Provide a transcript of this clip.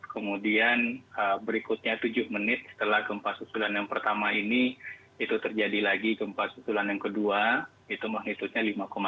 kemudian berikutnya tujuh menit setelah gempa susulan yang pertama ini itu terjadi lagi gempa susulan yang kedua itu magnitudnya lima enam